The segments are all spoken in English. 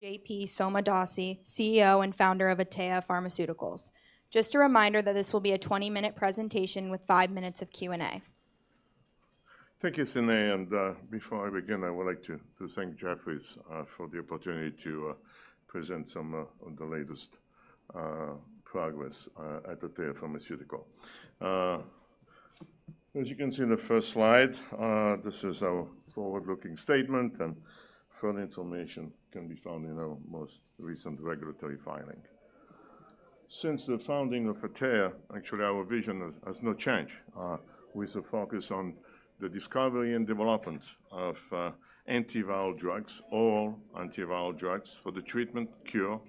J.P. Sommadossi, CEO and founder of Atea Pharmaceuticals. Just a reminder that this will be a 20-minute presentation with five minutes of Q&A. Thank you, Sinead, and before I begin, I would like to thank Jefferies for the opportunity to present some of the latest progress at Atea Pharmaceuticals. As you can see in the first slide, this is our forward-looking statement, and further information can be found in our most recent regulatory filing. Since the founding of Atea, actually, our vision has not changed. With a focus on the discovery and development of antiviral drugs, oral antiviral drugs for the treatment, cure,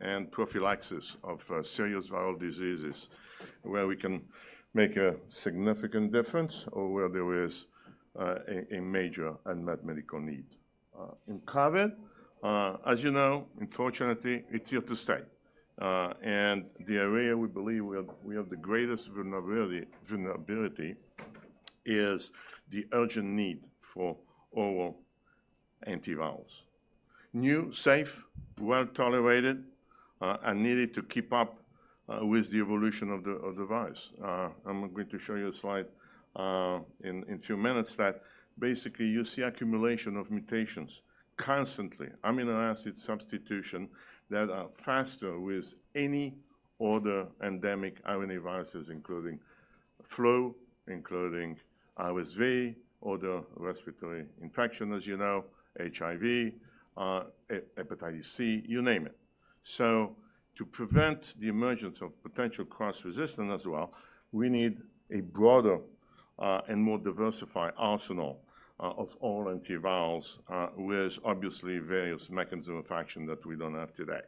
and prophylaxis of serious viral diseases, where we can make a significant difference or where there is a major unmet medical need. In COVID, as you know, unfortunately, it's here to stay. And the area we believe we have, we have the greatest vulnerability, vulnerability is the urgent need for oral antivirals. New, safe, well-tolerated, and needed to keep up with the evolution of the, of the virus. I'm going to show you a slide, in, in a few minutes that basically you see accumulation of mutations constantly, amino acid substitution, that are faster with any other endemic RNA viruses, including flu, including RSV, other respiratory infection, as you know, HIV, hepatitis C, you name it. So to prevent the emergence of potential cross-resistance as well, we need a broader, and more diversified arsenal, of oral antivirals, with obviously various mechanism of action that we don't have today.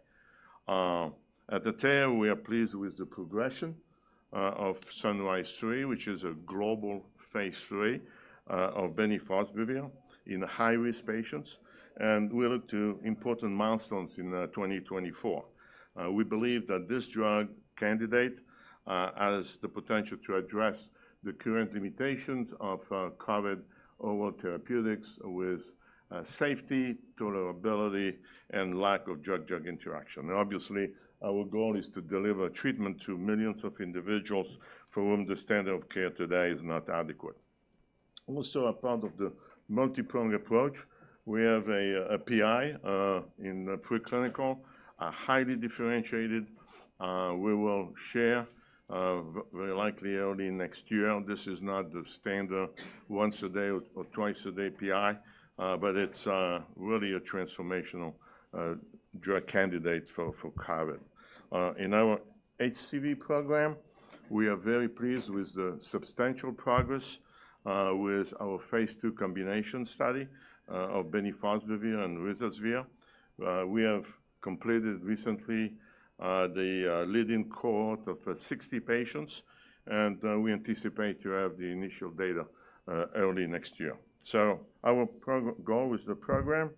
At Atea, we are pleased with the progression, of SUNRISE-3, which is a global phase III, of bemnifosbuvir in high-risk patients, and we look to important milestones in 2024. We believe that this drug candidate has the potential to address the current limitations of COVID oral therapeutics with safety, tolerability, and lack of drug-drug interaction. Obviously, our goal is to deliver treatment to millions of individuals for whom the standard of care today is not adequate. Also, a part of the multipronged approach, we have a PI in preclinical, a highly differentiated, we will share very likely early next year. This is not the standard once a day or twice a day PI, but it's really a transformational drug candidate for COVID. In our HCV program, we are very pleased with the substantial progress with our phase II combination study of bemnifosbuvir and ruzasvir. We have completed recently the lead-in cohort of 60 patients, and we anticipate to have the initial data early next year. So our goal with the program,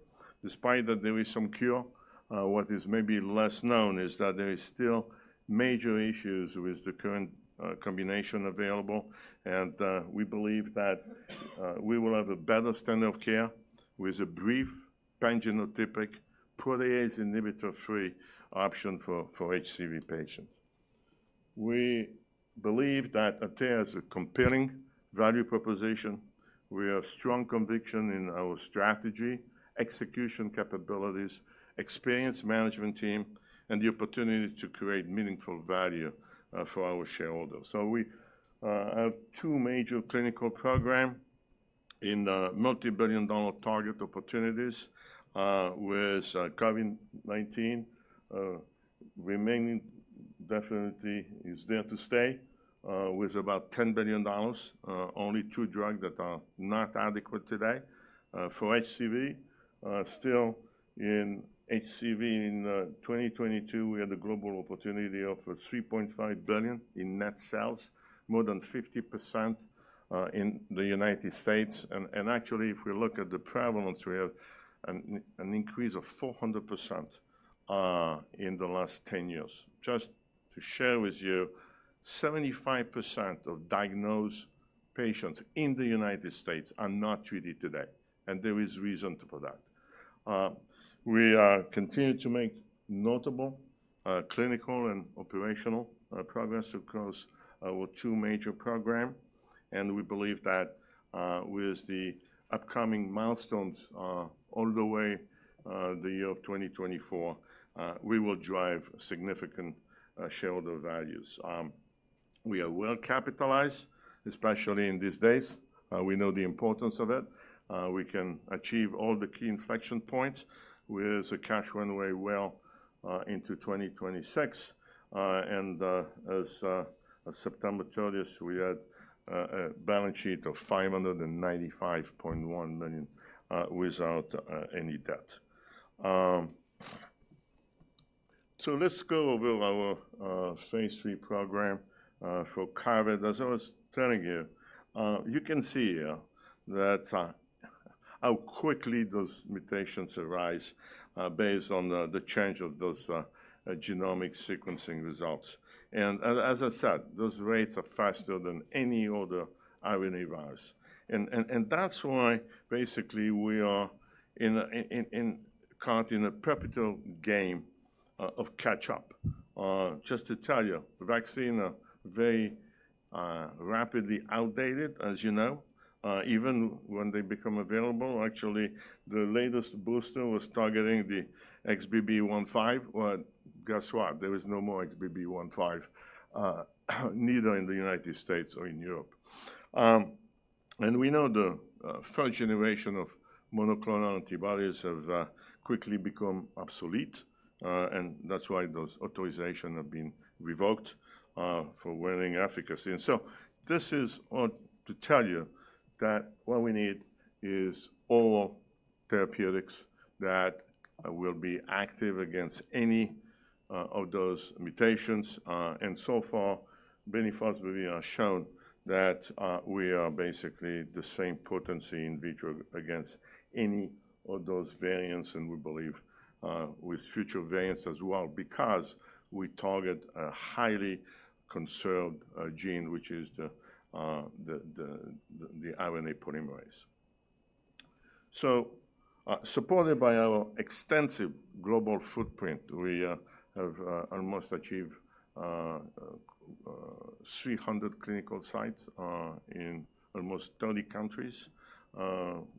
despite that there is some cure, what is maybe less known is that there is still major issues with the current combination available, and we believe that we will have a better standard of care with a brief pangenotypic, protease inhibitor-free option for HCV patients. We believe that Atea has a compelling value proposition. We have strong conviction in our strategy, execution capabilities, experienced management team, and the opportunity to create meaningful value for our shareholders. So we have two major clinical program in the multibillion-dollar target opportunities, with COVID-19 remaining definitely is there to stay, with about $10 billion, only two drugs that are not adequate today. For HCV, still in HCV in 2022, we had a global opportunity of $3.5 billion in net sales, more than 50% in the United States. Actually, if we look at the prevalence, we have an increase of 400% in the last ten years. Just to share with you, 75% of diagnosed patients in the United States are not treated today, and there is reason for that. We are continuing to make notable clinical and operational progress across our two major program, and we believe that, with the upcoming milestones all the way the year of 2024, we will drive significant shareholder values. We are well capitalized, especially in these days. We know the importance of it. We can achieve all the key inflection points with the cash runway well into 2026, and as of September thirtieth, we had a balance sheet of $595.1 million without any debt. So let's go over our phase III program for COVID. As I was telling you, you can see here that how quickly those mutations arise based on the change of those genomic sequencing results. As I said, those rates are faster than any other RNA virus. That's why basically we are caught in a perpetual game of catch up. Just to tell you, vaccine are very rapidly outdated, as you know, even when they become available. Actually, the latest booster was targeting the XBB.1.5. Well, guess what? There is no more XBB.1.5, neither in the United States or in Europe. And we know the first generation of monoclonal antibodies have quickly become obsolete, and that's why those authorization have been revoked for waning efficacy. So this is all to tell you that what we need is oral therapeutics that will be active against any of those mutations. And so far, bemnifosbuvir are shown that we are basically the same potency in vitro against any of those variants, and we believe with future variants as well, because we target a highly conserved gene, which is the RNA polymerase. So, supported by our extensive global footprint, we have almost achieved 300 clinical sites in almost 30 countries.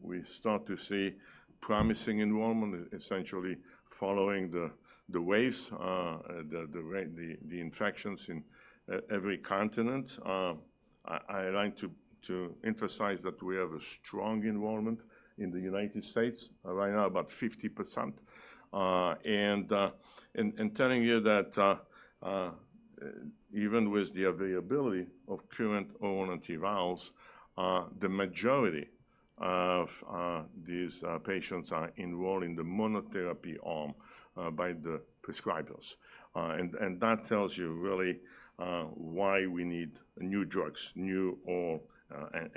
We start to see promising enrollment, essentially following the waves, the rate, the infections in every continent. I like to emphasize that we have a strong enrollment in the United States, right now, about 50%. Telling you that even with the availability of current oral antivirals, the majority of these patients are enrolled in the monotherapy arm by the prescribers. And that tells you really why we need new drugs, new oral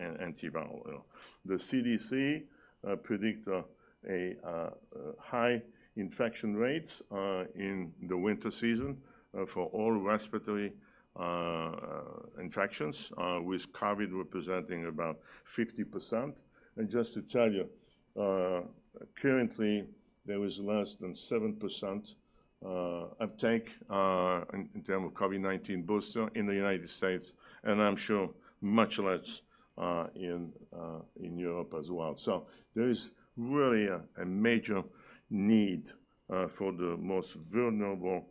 antiviral. The CDC predict a high infection rates in the winter season for all respiratory infections with COVID representing about 50%. And just to tell you, currently, there is less than 7% uptake in terms of COVID-19 booster in the United States, and I'm sure much less in Europe as well. So there is really a major need for the most vulnerable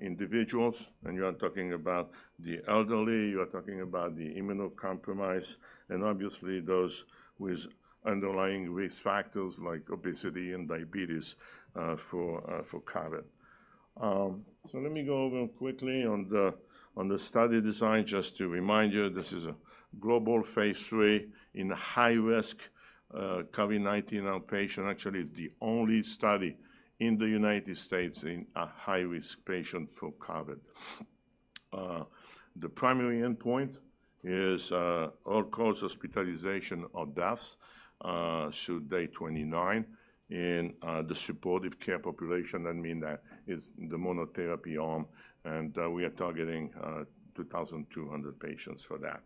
individuals, and you are talking about the elderly, you are talking about the immunocompromised, and obviously those with underlying risk factors like obesity and diabetes for COVID. So let me go over quickly on the study design, just to remind you, this is a global phase III in high-risk COVID-19 outpatient. Actually, it's the only study in the United States in a high-risk patient for COVID. The primary endpoint is all-cause hospitalization or deaths through day 29 in the supportive care population. That mean that is the monotherapy arm, and we are targeting 2,200 patients for that.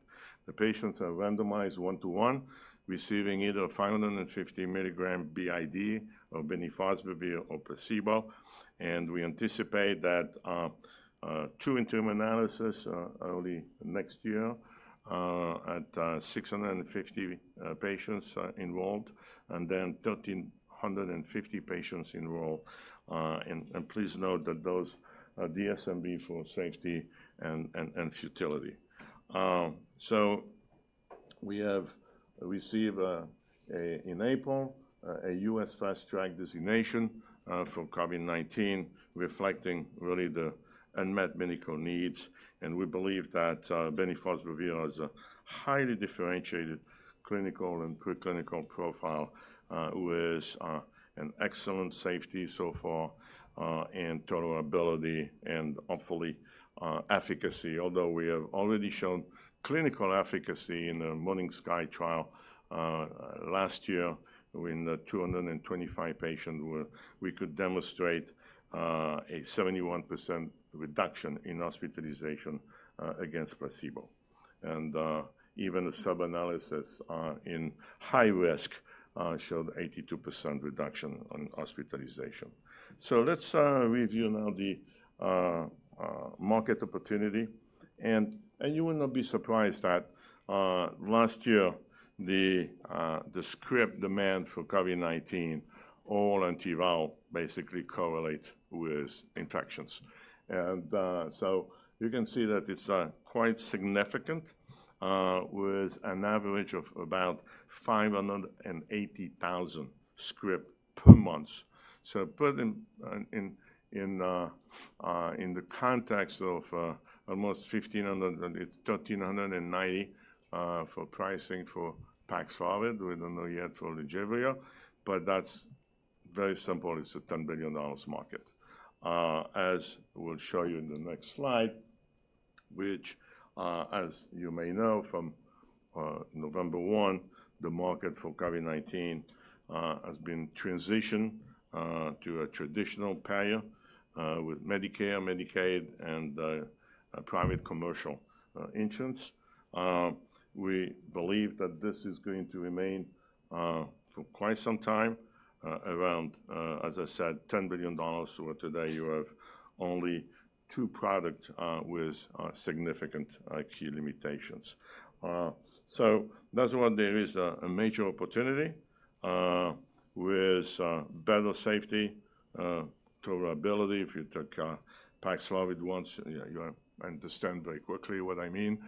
The patients are randomized one to one, receiving either 550 mg BID of bemnifosbuvir or placebo, and we anticipate that two interim analyses early next year at 650 patients enrolled, and then 1,350 patients enrolled. Please note that those are DSMB for safety and futility. So we have received a U.S. Fast Track designation in April for COVID-19, reflecting really the unmet medical needs. We believe that bemnifosbuvir has a highly differentiated clinical and preclinical profile with an excellent safety so far and tolerability, and hopefully efficacy. Although we have already shown clinical efficacy in the Morning Sky trial last year, when 225 patients we could demonstrate a 71% reduction in hospitalization against placebo. Even a subanalysis in high risk showed 82% reduction on hospitalization. So let's review now the market opportunity. And you will not be surprised that last year, the script demand for COVID-19 oral antiviral basically correlate with infections. And so you can see that it's quite significant with an average of about 580,000 script per month. So put in the context of almost $1,500 and $1,390 for pricing for Paxlovid, we don't know yet for Lagevrio, but that's very simple. It's a $10 billion market. As we'll show you in the next slide, which, as you may know, from November one, the market for COVID-19 has been transitioned to a traditional payer with Medicare, Medicaid, and private commercial insurance. We believe that this is going to remain for quite some time around, as I said, $10 billion. So today you have only two product with significant key limitations. So that's why there is a major opportunity with better safety tolerability. If you took Paxlovid once, yeah, you understand very quickly what I mean.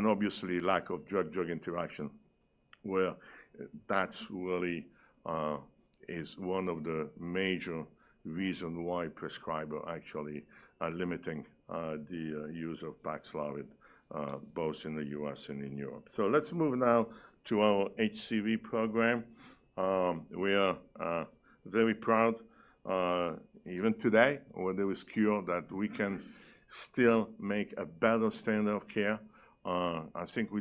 Obviously lack of drug-drug interaction, where that's really is one of the major reason why prescriber actually are limiting the use of Paxlovid both in the U.S. and in Europe. So let's move now to our HCV program. We are very proud, even today, where there is cure, that we can still make a better standard of care. I think we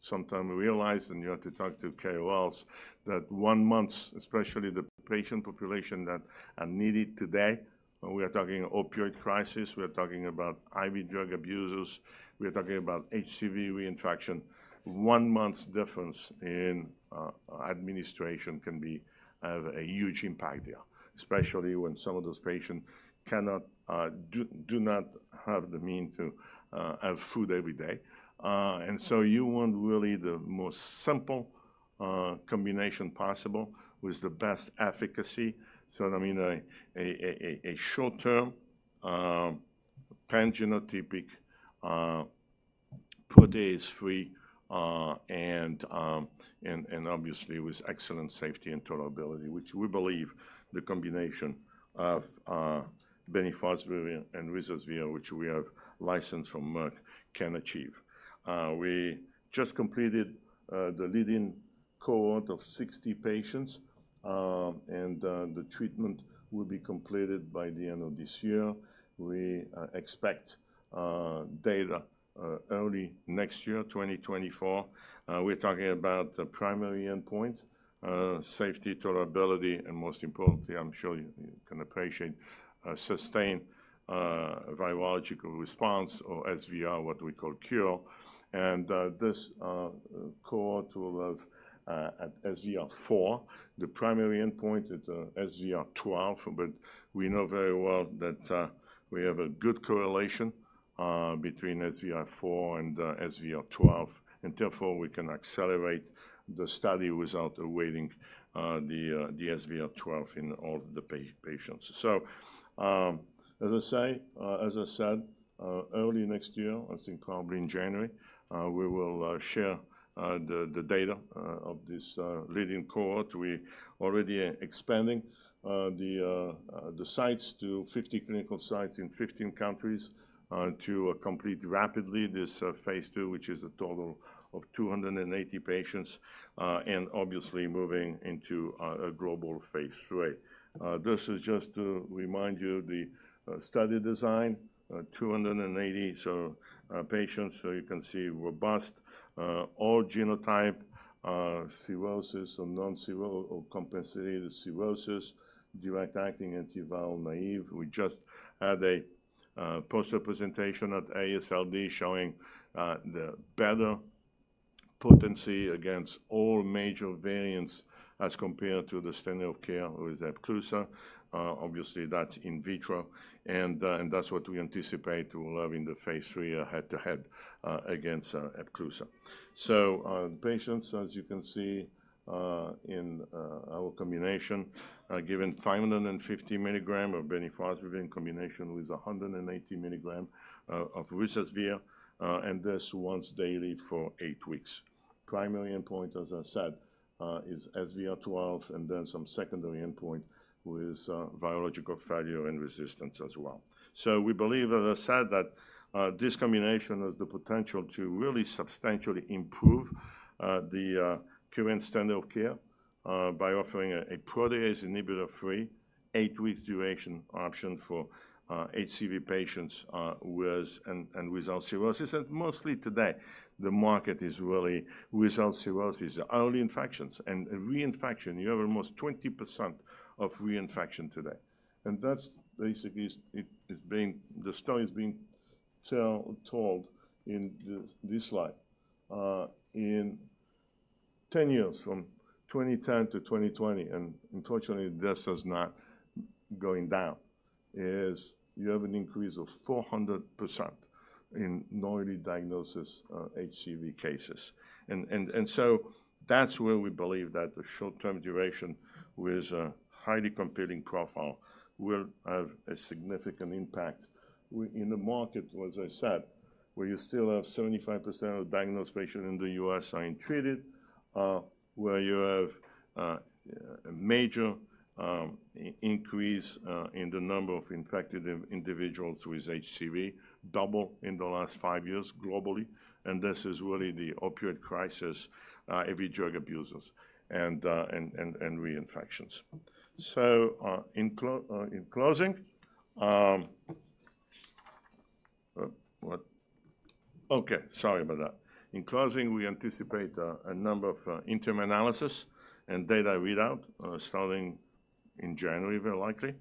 don't sometime realize, and you have to talk to Kary Welles, that one month, especially the patient population that are needed today, when we are talking opioid crisis, we are talking about IV drug abusers, we are talking about HCV reinfection. One month difference in administration can be, have a huge impact there, especially when some of those patients cannot do not have the means to have food every day. You want really the most simple combination possible with the best efficacy. So that mean a short term pangenotypic protease-free and obviously with excellent safety and tolerability, which we believe the combination of bemnifosbuvir and ruzasvir, which we have licensed from Merck, can achieve. We just completed the lead-in cohort of 60 patients, and the treatment will be completed by the end of this year. We expect data early next year, 2024. We're talking about the primary endpoint, safety, tolerability, and most importantly, I'm sure you can appreciate, sustained virological response or SVR, what we call cure. This cohort will have, at SVR4, the primary endpoint at SVR12, but we know very well that we have a good correlation between SVR4 and SVR12, and therefore, we can accelerate the study without awaiting the SVR12 in all the patients. So, as I say, as I said, early next year, I think probably in January, we will share the data of this lead-in cohort. We already are expanding the sites to 50 clinical sites in 15 countries to complete rapidly this phase II, which is a total of 280 patients, and obviously moving into a global phase III. This is just to remind you, the study design, 280, so, patients, so you can see robust, all genotype, cirrhosis or compensated cirrhosis, direct-acting antiviral naive. We just had a poster presentation at AASLD showing the better potency against all major variants as compared to the standard of care with Epclusa. Obviously, that's in vitro, and that's what we anticipate to have in the phase III head-to-head against Epclusa. So, patients, as you can see, in our combination, are given 550 mg of bemnifosbuvir in combination with 180 mg of ruzasvir, and this once daily for 8 weeks. Primary endpoint, as I said, is SVR12, and then some secondary endpoint with virological failure and resistance as well. We believe, as I said, that this combination has the potential to really substantially improve the current standard of care by offering a protease inhibitor-free, eight-week duration option for HCV patients with and without cirrhosis. And mostly today, the market is really without cirrhosis, early infections. And reinfection, you have almost 20% of reinfection today. And that's basically it, it's being told in this slide. In 10 years, from 2010 to 2020, and unfortunately, this is not going down, you have an increase of 400% in newly diagnosed HCV cases. So that's where we believe that the short-term duration with a highly competing profile will have a significant impact in the market, as I said, where you still have 75% of diagnosed patients in the U.S. untreated, where you have a major increase in the number of infected individuals with HCV, double in the last five years globally, and this is really the opioid crisis, IV drug abusers and reinfections. So, in closing... What? Okay, sorry about that. In closing, we anticipate a number of interim analysis and data readout starting in January, very likely.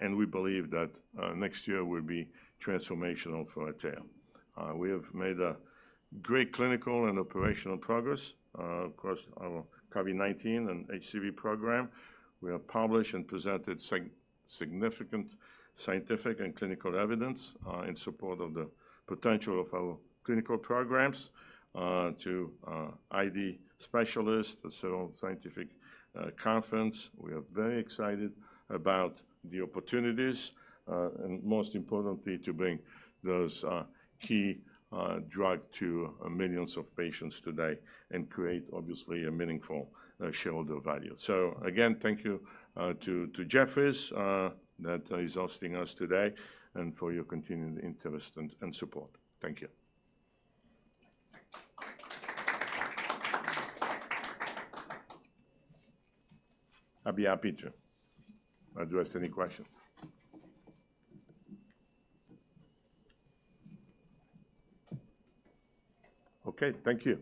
And we believe that next year will be transformational for Atea. We have made a great clinical and operational progress across our COVID-19 and HCV program. We have published and presented significant scientific and clinical evidence in support of the potential of our clinical programs to HIV specialists at several scientific conferences. We are very excited about the opportunities and most importantly, to bring those key drugs to millions of patients today and create obviously a meaningful shareholder value. So again, thank you to Jefferies that is hosting us today, and for your continued interest and support. Thank you. I'll be happy to address any questions. Okay, thank you.